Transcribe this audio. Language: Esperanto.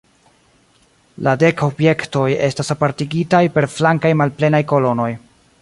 La dek objektoj estas apartigitaj per flankaj malplenaj kolonoj.